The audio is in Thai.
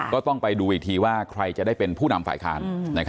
ก็ต้องไปดูอีกทีว่าใครจะได้เป็นผู้นำฝ่ายค้าน